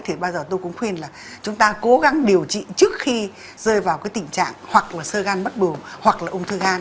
thì bao giờ tôi cũng khuyên là chúng ta cố gắng điều trị trước khi rơi vào cái tình trạng hoặc là sơ gan bất bù hoặc là ung thư gan